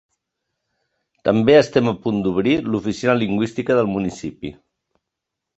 També estem a punt d’obrir l’oficina lingüística del municipi.